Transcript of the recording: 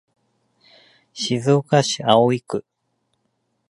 静岡市葵区